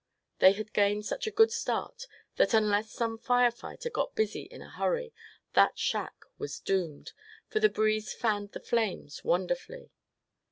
They had gained such a good start that unless some fire fighter got busy in a hurry, that shack was doomed, for the breeze fanned the flames wonderfully.